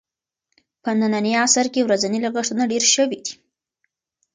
په ننني عصر کې ورځني لګښتونه ډېر شوي دي.